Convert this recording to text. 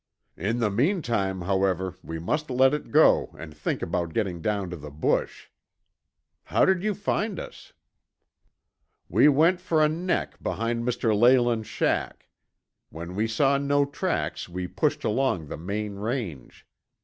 "In the meantime, however, we must let it go and think about getting down to the bush. How did you find us?" "We went for a neck behind Mr. Leyland's shack. When we saw no tracks we pushed along the main range.